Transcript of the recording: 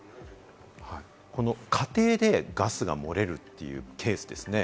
家庭でガスが漏れるというケースですね。